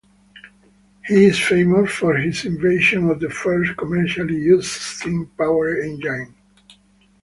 He is famous for his invention of the first commercially used steam powered engine.